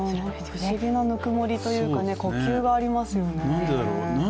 不思議なぬくもりといいますか呼吸がありますね。